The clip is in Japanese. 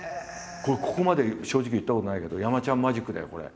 ここまで正直に言ったことないけど山ちゃんマジックだよこれ。